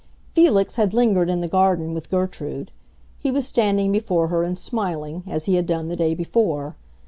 Felix had lingered in the garden with Gertrude; he was standing before her and smiling, as he had done the day before.